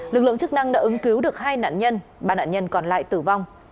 lực lượng chức năng đã ứng cứu được hai nạn nhân ba nạn nhân còn lại tử vong